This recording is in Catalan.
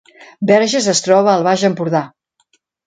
Verges es troba al Baix Empordà